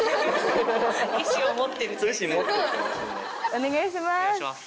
お願いします。